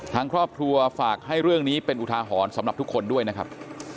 ทางครอบครัวฝากให้เรื่องนี้เป็นอุทาหรณ์สำหรับทุกคนด้วยนะครับ